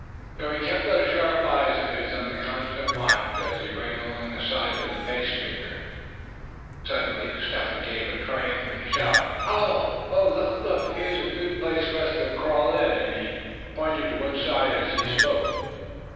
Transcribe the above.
So he kept those sharp eyes of his on the constant watch, as he ran along at the side of the pace maker. Suddenly Step Hen gave a triumphant shout. "Oh! look! look! here's a good place for us to crawl in," and he pointed to one side as he spoke.